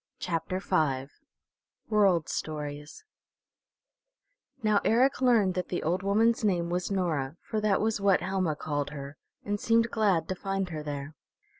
CHAPTER V WORLD STORIES Now Eric learned that the old woman's name was Nora, for that was what Helma called her, and seemed glad to find her there.